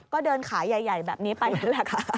ก็เดินขายใหญ่แบบนี้ไปนั่นแหละค่ะ